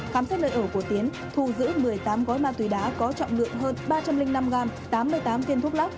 khám xét nơi ở của tiến thu giữ một mươi tám gói ma túy đá có trọng lượng hơn ba trăm linh năm g tám mươi tám viên thuốc lắc